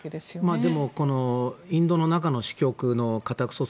でも、インドの中の支局の家宅捜索